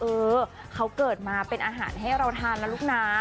เออเขาเกิดมาเป็นอาหารดมนตร์แล้วลูกน้า